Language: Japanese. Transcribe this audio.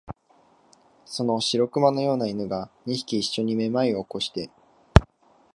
その白熊のような犬が、二匹いっしょにめまいを起こして、